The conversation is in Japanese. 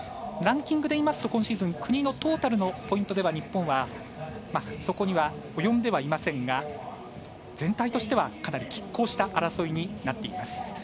ランキングでいいますと今シーズン、国のトータルのポイントでは日本はそこには及んでいませんが全体としては、かなりきっ抗した争いとなっています。